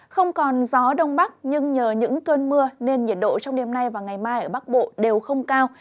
không còn gió đông bắc nhưng nhờ những cơn mưa nên nhiệt độ trong đêm nay và ngày mai ở bắc bộ đều không cao